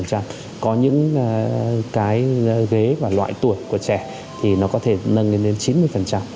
có những cái ghế và loại tuổi của trẻ thì nó có thể nâng lên đến chín mươi